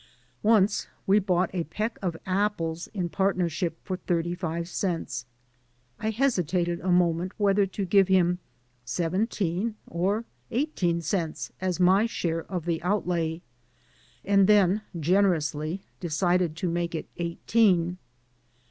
'* Once we bought a peck of apples in partnership for thirty five cents. I hesitated a moment whether to give him seventeen or eighteen cents as my share of the outlay, and then generously decided to make it eighteen.